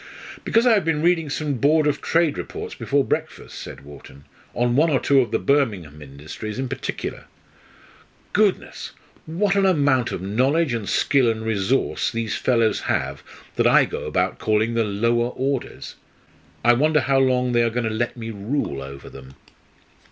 "Because I have been reading some Board of Trade reports before breakfast," said Wharton, "on one or two of the Birmingham industries in particular. Goodness! what an amount of knowledge and skill and resource these fellows have that I go about calling the 'lower orders.' I wonder how long they are going to let me rule over them!"